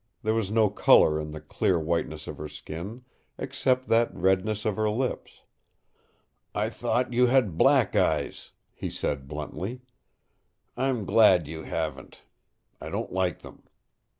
There was no color in the clear whiteness of her skin, except that redness of her lips. "I thought you had black eyes," he said bluntly. "I'm glad you haven't. I don't like them.